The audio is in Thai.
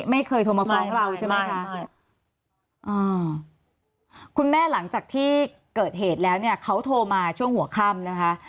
ไม่เคยโทรมาฟ้องเราใช่ไหมคะใช่อ่าคุณแม่หลังจากที่เกิดเหตุแล้วเนี่ยเขาโทรมาช่วงหัวค่ำนะคะ